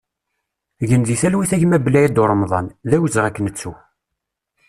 Gen di talwit a gma Blaïd Uremḍan, d awezɣi ad k-nettu!